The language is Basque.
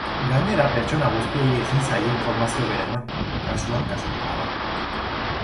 Gainera, pertsona guztiei ezin zaie informazio bera eman, kasuan kasukoa da.